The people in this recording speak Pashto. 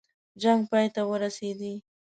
جنګ پای ته ورسېدی.